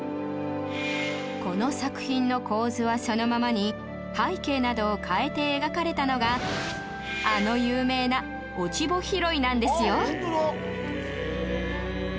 この作品の構図はそのままに背景などを変えて描かれたのがあの有名な『落ち穂拾い』なんですよ